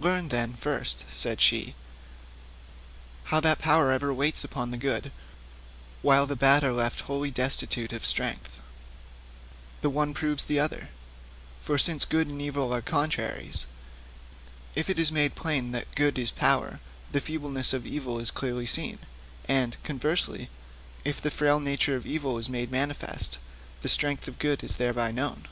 'Learn, then, first,' said she, 'how that power ever waits upon the good, while the bad are left wholly destitute of strength.[K] Of these truths the one proves the other; for since good and evil are contraries, if it is made plain that good is power, the feebleness of evil is clearly seen, and, conversely, if the frail nature of evil is made manifest, the strength of good is thereby known.